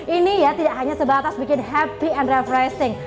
ini ya tidak hanya sebatas bikin happy and refreshing